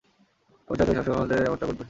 আগামী ছয় থেকে আট সপ্তাহের মধ্যেই এমনটা ঘটবে!